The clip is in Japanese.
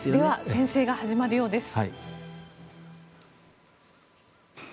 宣誓が始まるようです。